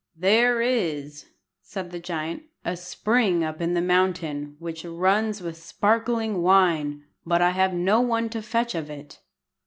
"There is," said the giant, "a spring up in the mountain which runs with sparkling wine, but I have no one to fetch of it."